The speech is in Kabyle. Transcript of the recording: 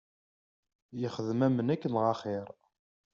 Yexdem am nekk neɣ axir!